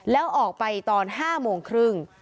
แล้วออกไปตอน๕โมงครึ่ง